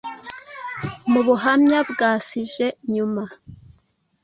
Mu buhamya bwa Suge nyuma